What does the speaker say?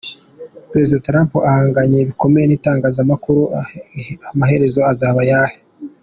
Perezida Trump aganganye bikomeye n’Itangazamakuru amaherezo azaba ayahe ?